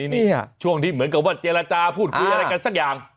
นี่ช่วงที่เหมือนกับว่าเจรจาพูดคุยอะไรกันสักอย่าง